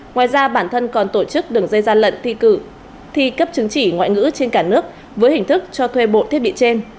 ngoài ra bản thân còn tổ chức đường dây gian lận thi cử thi cấp chứng chỉ ngoại ngữ trên cả nước với hình thức cho thuê bộ thiết bị trên